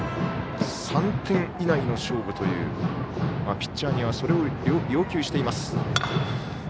３点以内の勝負というピッチャーにはそれを要求しています。